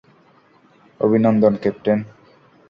অভিনন্দন, ক্যাপ্টেন।